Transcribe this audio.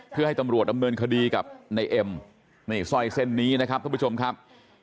เพื่อให้ตำรวจดำเนินคดีกับนายเอ็มนี่สร้อยเส้นนี้นะครับท่านผู้ชมครับ